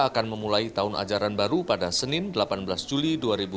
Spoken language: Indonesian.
akan memulai tahun ajaran baru pada senin delapan belas juli dua ribu dua puluh